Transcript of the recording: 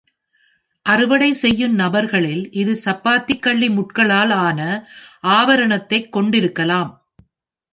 அறுவடை செய்யும் நபர்களில், இது சப்பாத்திக் கள்ளி முட்களால் ஆனா ஆபரணத்தைக் கொண்டிருக்கலாம்.